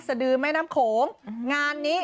สดือแม่น้ำโขงงานนี้